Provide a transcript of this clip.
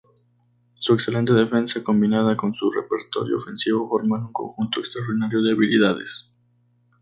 Su excelente defensa combinada con su repertorio ofensivo forman un conjunto extraordinario de habilidades.